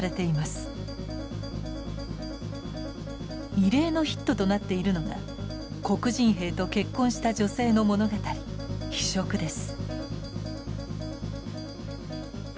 異例のヒットとなっているのが黒人兵と結婚した女性の物語「非色」です。